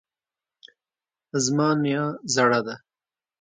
زما نیا زړه ده